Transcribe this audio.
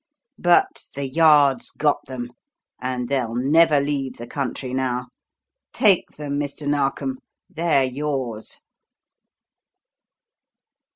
But the Yard's got them, and they'll never leave the country now. Take them, Mr. Narkom, they're yours!"